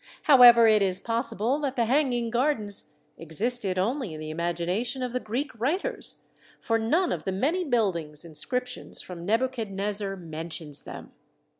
However, it is possible that the hang ing gardens existed only in the imagination of the Greek writers, for none of the many building in scriptions from Nebuchadnezzar mentions them.